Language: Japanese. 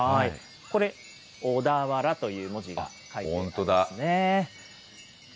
これ、小田原という文字が入っていますね。